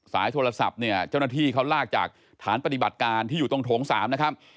โทรศัพท์เนี่ยเจ้าหน้าที่เขาลากจากฐานปฏิบัติการที่อยู่ตรงโถง๓นะครับ